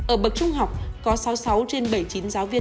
ở bậc trung học có sáu mươi sáu trên bảy mươi chín giáo viên